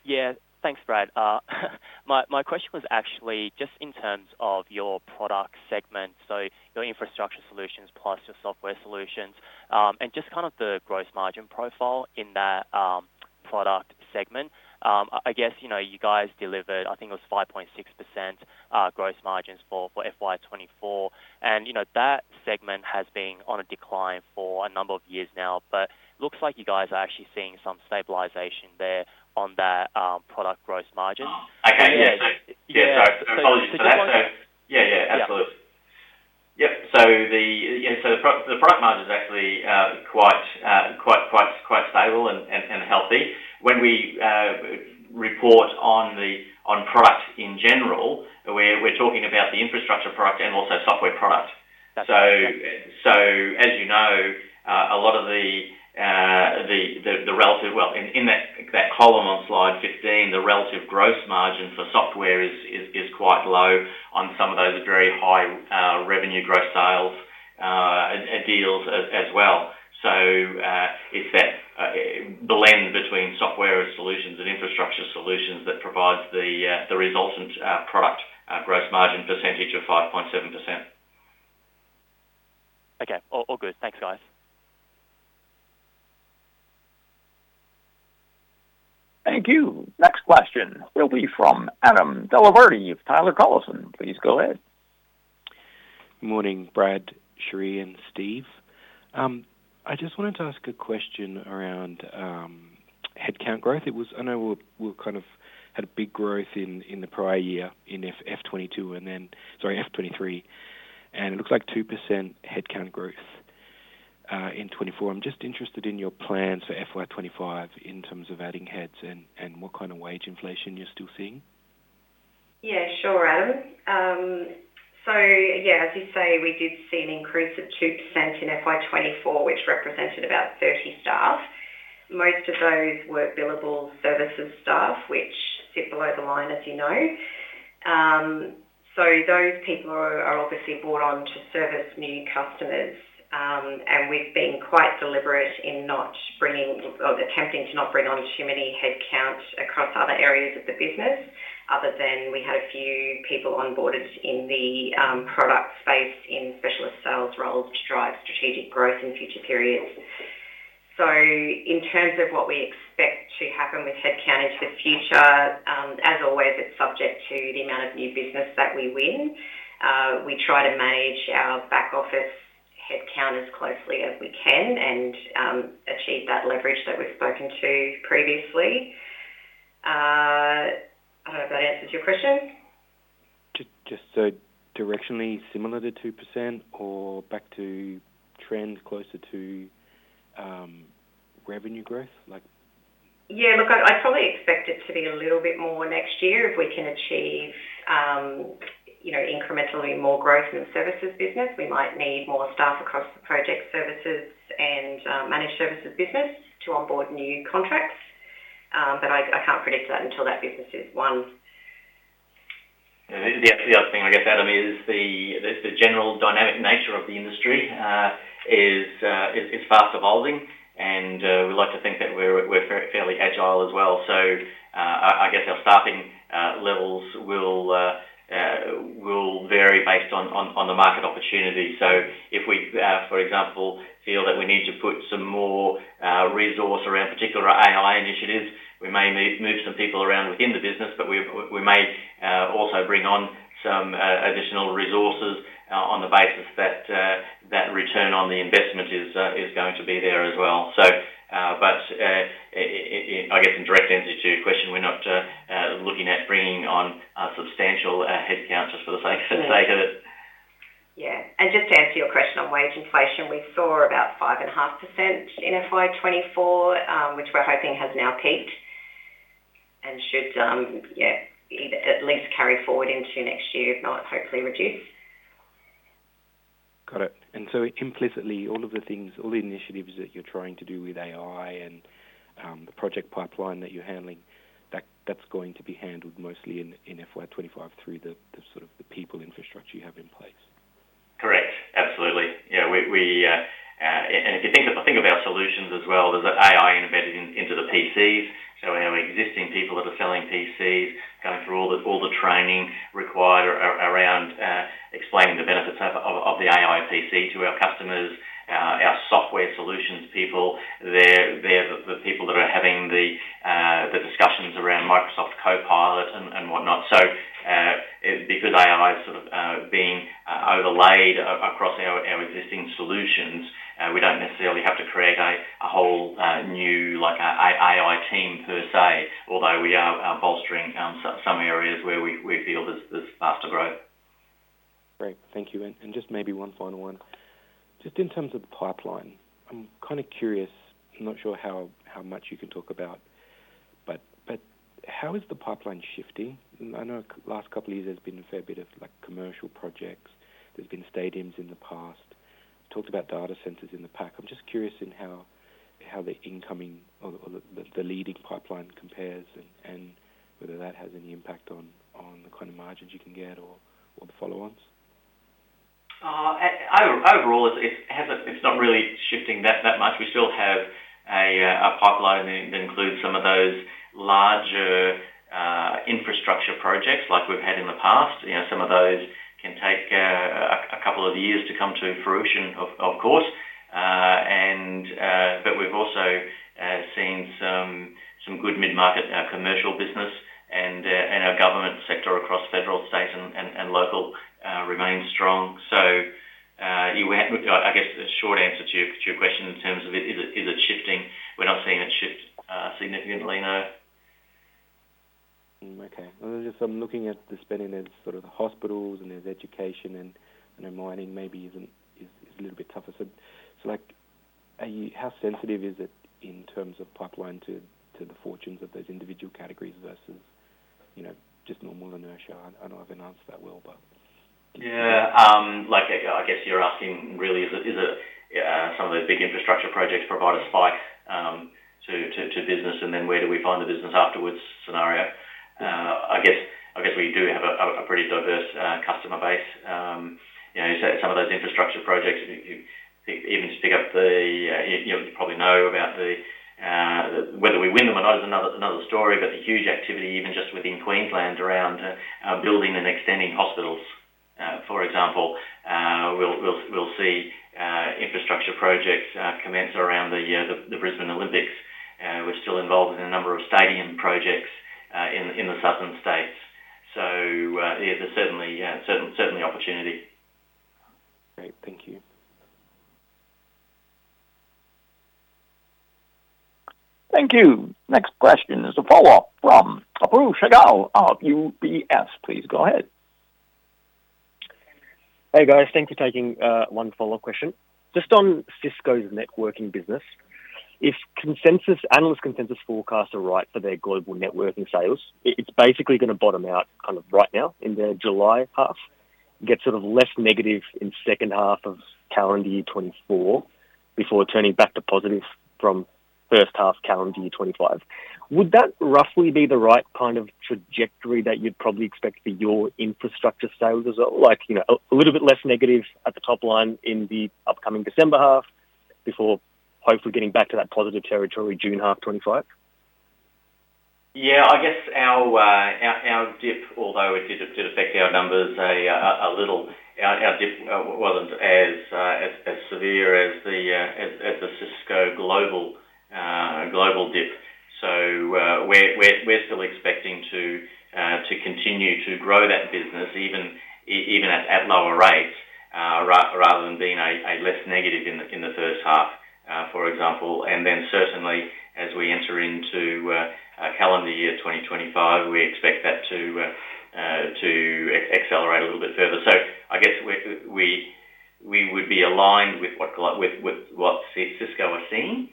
Yeah, thanks, Brad. My question was actually just in terms of your product segment, so your infrastructure solutions plus your software solutions, and just kind of the gross margin profile in that product segment. I guess, you know, you guys delivered, I think it was 5.6% gross margins for FY 2024, and, you know, that segment has been on a decline for a number of years now, but looks like you guys are actually seeing some stabilization there on that product gross margin. Oh, okay. Yeah. Yeah, so apologies for that. So just- Yeah, yeah, absolutely. Yep. So the product margin is actually quite stable and healthy. When we report on product in general, we're talking about the infrastructure product and also software product. Okay. As you know, a lot of the relative. Well, in that column on slide 15, the relative gross margin for software is quite low on some of those very high revenue gross sales and deals as well. It's that the blend between software solutions and infrastructure solutions that provides the resultant product gross margin percentage of 5.7%. Okay. All, all good. Thanks, guys. Thank you. Next question will be from Adam Dellaverde of Taylor Collison. Please go ahead. Good morning, Brad, Cherie, and Steve. I just wanted to ask a question around headcount growth. I know we're kind of had a big growth in the prior year, in FY 2022, and then, sorry, FY 2023, and it looks like 2% headcount growth in FY 2024. I'm just interested in your plans for FY 2025 in terms of adding heads and what kind of wage inflation you're still seeing. Yeah, sure, Adam. So yeah, as you say, we did see an increase of 2% in FY 2024, which represented about 30 staff. Most of those were billable services staff, which sit below the line, as you know. So those people are obviously brought on to service new customers. And we've been quite deliberate in not bringing or attempting to not bring on too many headcounts across other areas of the business, other than we had a few people onboarded in the product space in specialist sales roles to drive strategic growth in future periods. So in terms of what we expect to happen with headcount into the future, as always, it's subject to the amount of new business that we win. We try to manage our back office headcount as closely as we can and achieve that leverage that we've spoken to previously. I don't know if that answers your question. Just so directionally similar to 2% or back to trends closer to revenue growth, like? Yeah, look, I probably expect it to be a little bit more next year. If we can achieve incrementally more growth in the services business, you know, we might need more staff across the project services and managed services business to onboard new contracts, but I can't predict that until that business is won. Yeah, the other thing, I guess, Adam, is the general dynamic nature of the industry is fast evolving, and we like to think that we're fairly agile as well. So, I guess our staffing levels will vary based on the market opportunity. So if we, for example, feel that we need to put some more resource around particular AI initiatives, we may move some people around within the business, but we may also bring on some additional resources on the basis that that return on the investment is going to be there as well. If, I guess, in direct answer to your question, we're not looking at bringing on a substantial head count just for the sake of it. Yeah, and just to answer your question on wage inflation, we saw about 5.5% in FY 2024, which we're hoping has now peaked and should, yeah, at least carry forward into next year, if not hopefully reduce. Got it. And so implicitly, all of the things, all the initiatives that you're trying to do with AI and, the project pipeline that you're handling, that that's going to be handled mostly in FY 2025 through the sort of the people infrastructure you have in place? Correct. Absolutely. Yeah, we and if you think about solutions as well, there's AI embedded into the PCs. So we have existing people that are selling PCs, going through all the training required around explaining the benefits of the AI PC to our customers, our software solutions people, they're the people that are having the discussions around Microsoft Copilot and whatnot. So, because AI is sort of being overlaid across our existing solutions, we don't necessarily have to create a whole new like a AI team per se, although we are bolstering some areas where we feel there's faster growth. Great. Thank you. And just maybe one final one. Just in terms of the pipeline, I'm kind of curious. I'm not sure how much you can talk about, but how is the pipeline shifting? I know last couple of years, there's been a fair bit of, like, commercial projects. There's been stadiums in the past. Talked about data centers in the Pacific. I'm just curious in how the incoming or the leading pipeline compares and whether that has any impact on the kind of margins you can get or the follow-ons? Overall, it has. It's not really shifting that much. We still have a pipeline that includes some of those larger infrastructure projects like we've had in the past. You know, some of those can take a couple of years to come to fruition, of course. But we've also seen some good mid-market, our commercial business and our government sector across federal, state, and local remain strong. So, I guess the short answer to your question in terms of it, is it shifting? We're not seeing it shift significantly, no. Okay. Well, just, I'm looking at the spending as sort of the hospitals, and there's education, and, you know, mining maybe isn't is a little bit tougher. So, like, are you, how sensitive is it in terms of pipeline to the fortunes of those individual categories versus, you know, just normal inertia? I don't know if I've answered that well, but. Yeah, like, I guess you're asking really, is it some of those big infrastructure projects provide a spike to business, and then where do we find the business afterwards scenario? I guess we do have a pretty diverse customer base. You know, so some of those infrastructure projects, if you even just pick up the, you probably know about the, whether we win them or not is another story, but the huge activity, even just within Queensland, around building and extending hospitals, for example, we'll see infrastructure projects commence around the Brisbane Olympics. We're still involved in a number of stadium projects in the southern states. So, yeah, there's certainly opportunity. Great. Thank you. Thank you. Next question is a follow-up from Apoorv Sehgal of UBS. Please go ahead. Hey, guys. Thank you for taking one follow-up question. Just on Cisco's networking business, if consensus, analyst consensus forecasts are right for their global networking sales, it's basically going to bottom out kind of right now in their July half, get sort of less negative in second half of calendar year 2024, before turning back to positive from first half calendar year 2025. Would that roughly be the right kind of trajectory that you'd probably expect for your infrastructure sales as well? Like, you know, a little bit less negative at the top line in the upcoming December half, before hopefully getting back to that positive territory, June half 2025? Yeah, I guess our dip, although it did affect our numbers a little, our dip wasn't as severe as the Cisco global dip. So, we're still expecting to continue to grow that business, even at lower rates, rather than being a less negative in the first half, for example. And then, certainly, as we enter into a calendar year 2025, we expect that to accelerate a little bit further. So I guess we would be aligned with what Cisco are seeing,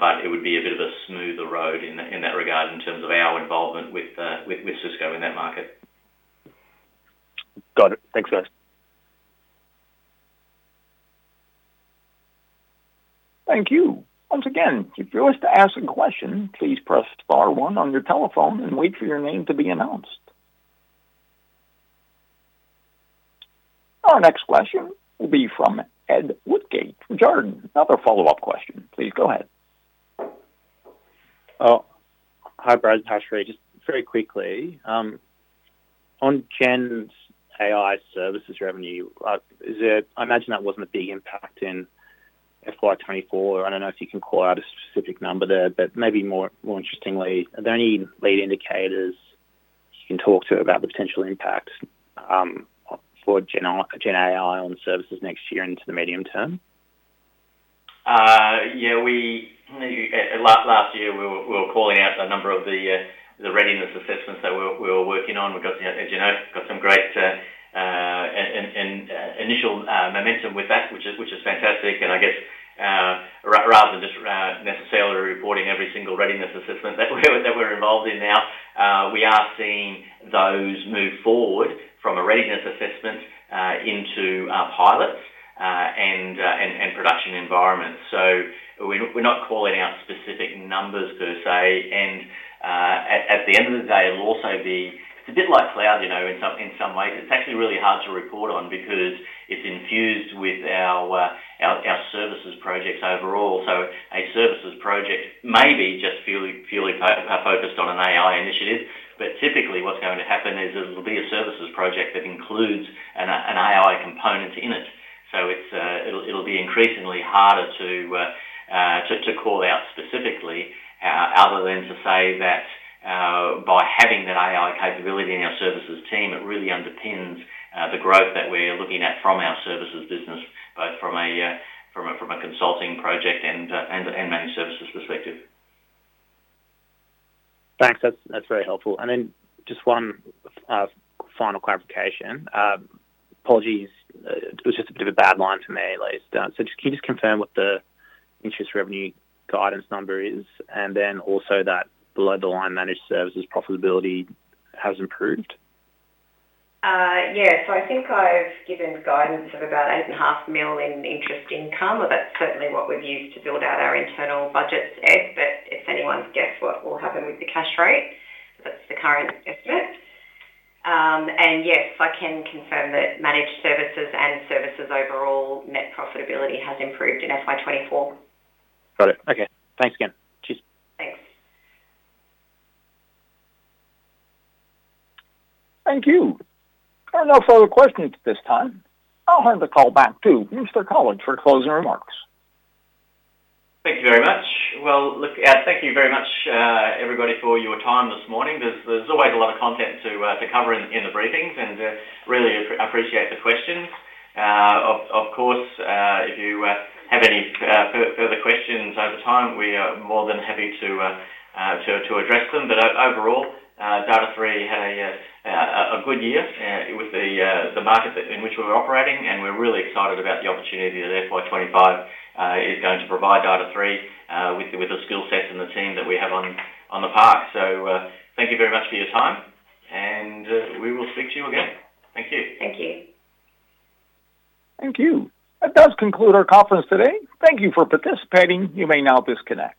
but it would be a bit of a smoother road in that regard, in terms of our involvement with Cisco in that market. Got it. Thanks, guys. Thank you. Once again, if you wish to ask a question, please press star one on your telephone and wait for your name to be announced. Our next question will be from Ed Woodgate from Jarden. Another follow-up question. Please go ahead. Oh, hi, Brad. [inaudible] Just very quickly, on Generative AI services revenue, is there? I imagine that wasn't a big impact in FY 2024. I don't know if you can call out a specific number there, but maybe more interestingly, are there any leading indicators you can talk about the potential impacts, for Generative AI on services next year into the medium term? Yeah, last year, we were calling out a number of the readiness assessments that we're working on. We've got, as you know, some great initial momentum with that, which is fantastic, and I guess rather than just necessarily reporting every single readiness assessment that we're involved in now, we are seeing those move forward from a readiness assessment into pilots and production environments, so we're not calling out specific numbers per se, and at the end of the day, it'll also be... It's a bit like cloud, you know, in some ways. It's actually really hard to report on because it's infused with our services projects overall. A services project may be just purely focused on an AI initiative, but typically, what's going to happen is it'll be a services project that includes an AI component in it. It's, it'll be increasingly harder to call out specifically, other than to say that by having that AI capability in our services team, it really underpins the growth that we're looking at from our services business, both from a consulting project and managed services perspective. Thanks. That's, that's very helpful. And then just one final clarification. Apologies, it was just a bit of a bad line for me at least. So just, can you just confirm what the interest revenue guidance number is, and then also that below-the-line managed services profitability has improved? Yeah, so I think I've given guidance of about 8.5 million in interest income, or that's certainly what we've used to build out our internal budgets, Ed, but if anyone gets what will happen with the cash rate, that's the current estimate. And yes, I can confirm that managed services and services overall net profitability has improved in FY 2024. Got it. Okay. Thanks again. Cheers. Thanks. Thank you. There are no further questions at this time. I'll hand the call back to Mr. Colledge for closing remarks. Thank you very much. Well, look, thank you very much, everybody, for your time this morning. There's always a lot of content to cover in the briefings, and really appreciate the questions. Of course, if you have any further questions over time, we are more than happy to address them. But overall, Data#3 had a good year, with the market that in which we're operating, and we're really excited about the opportunity that FY 2025 is going to provide Data#3, with the skill sets and the team that we have on board. So, thank you very much for your time, and we will speak to you again. Thank you. Thank you. Thank you. That does conclude our conference today. Thank you for participating. You may now disconnect.